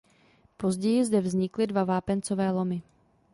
Později zde vznikly dva vápencové lomy.